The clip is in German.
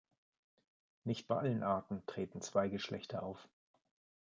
Nicht bei allen Arten treten zwei Geschlechter auf.